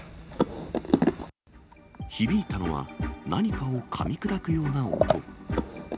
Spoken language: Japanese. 響いたのは、何かをかみ砕くような音。